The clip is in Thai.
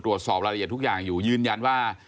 ตรวจสอบรายละเอียดทุกอย่างอยู่ยืนยันว่า